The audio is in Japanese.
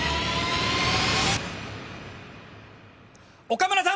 岡村さん